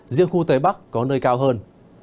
riêng khu tây bắc có nơi cao hơn